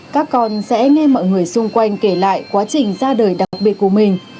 các con sẽ nghe mọi người xung quanh kể lại quá trình ra đời đặc biệt của mình